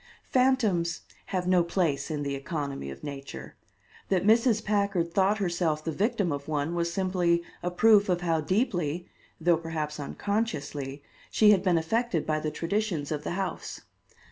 Phantoms have no place in the economy of nature. That Mrs. Packard thought herself the victim of one was simply a proof of how deeply, though perhaps unconsciously, she had been affected by the traditions of the house.